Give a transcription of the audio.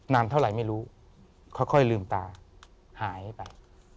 นานเท่าไหร่ไม่รู้ค่อยลืมตาหายไป